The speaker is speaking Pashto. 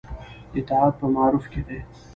اطاعت په معروف کې دی